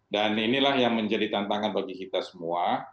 dan inilah yang menjadi tantangan bagi kita semua